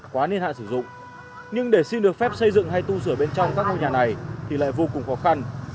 quá niên hạn sử dụng nhưng để xin được phép xây dựng hay tu sửa bên trong các ngôi nhà này thì lại vô cùng khó khăn